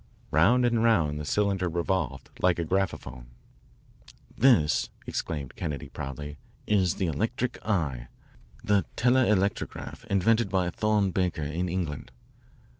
Round and round the cylinder revolved like a graphophone. "This," exclaimed Kennedy proudly, "is the 'electric eye,' the telelectrograph invented by Thorne Baker in England.